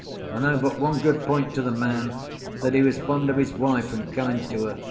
I know but one good point to the man: that he was fond of his wife, and kind to her.